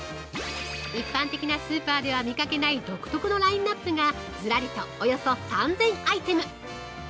一般的なスーパーでは見かけない独特のラインナップが、ずらりとおよそ３０００アイテム。